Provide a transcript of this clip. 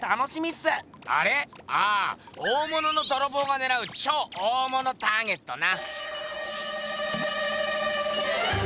ああ大物のどろぼうがねらう超大物ターゲットな！